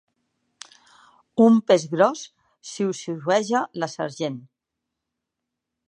Un peix gros —xiuxiueja la sergent.